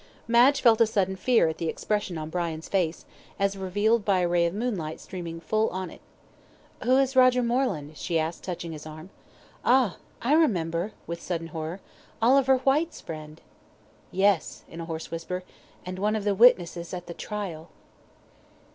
Madge felt a sudden fear at the expression on Brian's face, as revealed by a ray of moonlight streaming full on it. "Who is Roger Moreland?" she asked, touching his arm "Ah! I remember," with sudden horror, "Oliver Whyte's friend." "Yes," in a hoarse whisper, "and one of the witnesses at the trial."